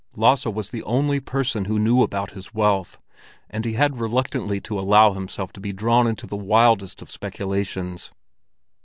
Lasse was the only person who knew about his wealth, and he had reluctantly to allow himself to be drawn into the wildest of speculations.